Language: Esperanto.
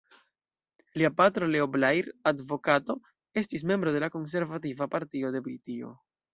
Lia patro, Leo Blair, advokato, estis membro de la Konservativa Partio de Britio.